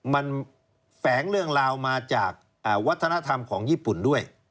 มันแฝงเรื่องราวมาจากวัฒนธรรมของญี่ปุ่นด้วย